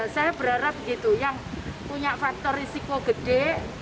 saya berharap begitu yang punya faktor risiko gede